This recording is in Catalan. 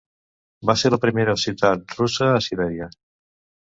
Va ser la primera ciutat russa a Sibèria.